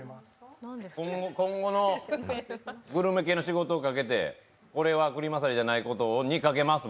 今後のグルメ系の仕事をかけてこれはクリマサリじゃないことにかけます！